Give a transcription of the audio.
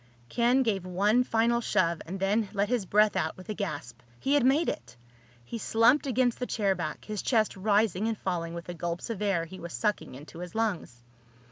Ken gave one final shove and then let his breath out with a gasp. He had made it! He slumped against the chair back, his chest rising and falling with the gulps of air he was sucking into his lungs.